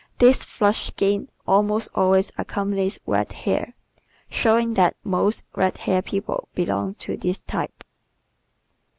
This flushed skin almost always accompanies red hair, showing that most red haired people belong to this type.